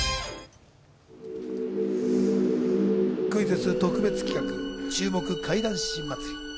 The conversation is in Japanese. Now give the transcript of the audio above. クイズッス特別企画、注目怪談師祭り。